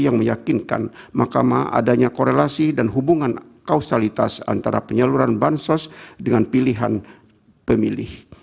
yang meyakinkan mahkamah adanya korelasi dan hubungan kausalitas antara penyaluran bansos dengan pilihan pemilih